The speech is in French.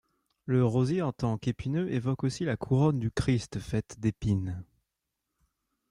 Le rosier en tant qu'épineux évoque aussi la couronne du Christ faite d'épines.